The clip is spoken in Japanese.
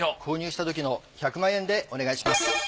購入したときの１００万円でお願いします。